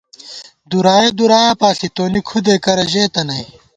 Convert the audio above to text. دُرائےدُرایا پاݪی ، تونی کھُدے کرہ ژېتہ نئ